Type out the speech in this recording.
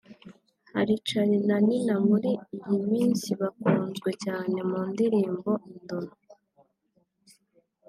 hari Charly & Nina muri iyi minsi bakunzwe cyane mu ndirimbo “Indoro”